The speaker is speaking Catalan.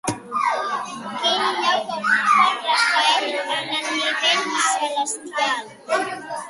Quin lloc ocupa Rafael en el nivell celestial?